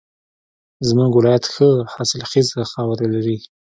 زمونږ ولایت ښه حاصلخیزه خاوره لري